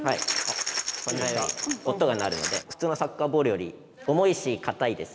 こんなように音が鳴るので普通のサッカーボールより重いし硬いです。